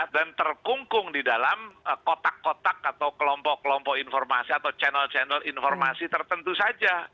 dan terkungkung di dalam kotak kotak atau kelompok kelompok informasi atau channel channel informasi tertentu saja